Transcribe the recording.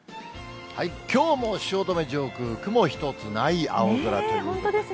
きょうも汐留上空、雲一つない青空ということで。